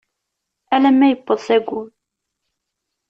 Alamma yewweḍ s ayyur.